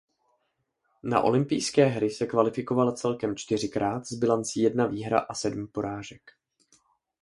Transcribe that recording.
Na olympijské hry se kvalifikovala celkem čtyřikrát s bilancí jedna výhra a sedm porážek.